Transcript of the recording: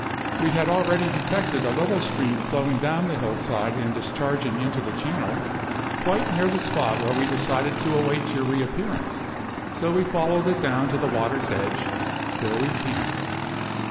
We had already detected a little stream flowing down the hill side and discharging into the channel, quite near the spot where we decided to await your reappearance, so we followed it down to the water's edge, where we camped.